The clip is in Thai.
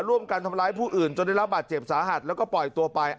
ร่วมกันทำร้ายผู้อื่นจนได้รับบาดเจ็บสาหัสแล้วก็ปล่อยตัวไป